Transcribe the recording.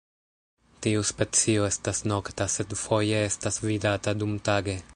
Tiu specio estas nokta, sed foje estas vidata dumtage.